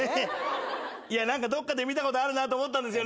いや何かどっかで見たことあるなと思ったんですよ。